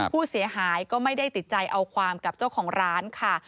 ผู้เสียหายก็ไม่ได้ติดใจเอาความกับเจ้าของร้านค่ะ